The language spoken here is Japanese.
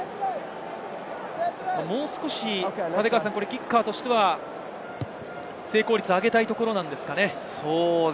もう少しキッカーとしては成功率を上げたいところなんですかね？